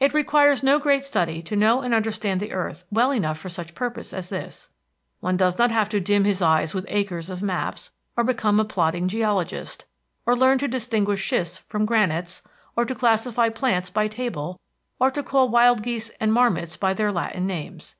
It requires no great study to know and understand the earth well enough for such purpose as this. One does not have to dim his eyes with acres of maps, or become a plodding geologist, or learn to distinguish schists from granites, or to classify plants by table, or to call wild geese and marmots by their Latin names.